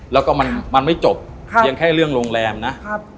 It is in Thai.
แล้วก็มันไม่จบยังแค่เรื่องโรงแรมนะ